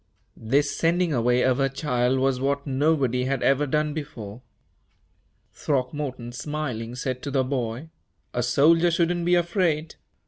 This sending away of her child was what nobody had ever done before. Throckmorton, smiling, said to the boy, "A soldier shouldn't be afraid."